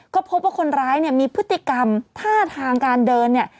ก็พบว่าคนร้ายมีพฤติกรรมท่าทางการเดิน